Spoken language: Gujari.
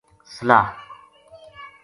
صلاح “